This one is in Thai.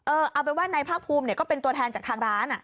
เออเอาเป็นว่านายพากภูมิเนี่ยก็เป็นตัวแทนจากทางร้านอ่ะ